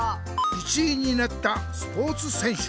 １位になったスポーツせんしゅ。